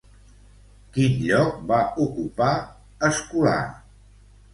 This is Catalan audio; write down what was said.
Quin lloc va ocupar Escolà?